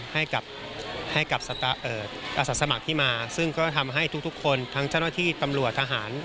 ให้กับอาสาสมัครที่มาซึ่งก็ทำให้ทุกคนทั้งเจ้าหน้าที่ตำรวจทหาร